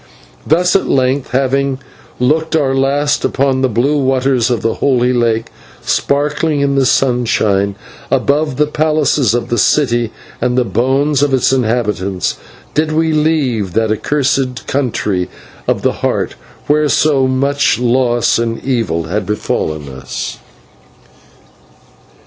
Thus, at length, having looked our last upon the blue waters of the Holy Lake, sparkling in the sunshine above the palaces of the city and the bones of its inhabitants, did we leave that accursed Country of the Heart, where so much loss and evil had befallen us.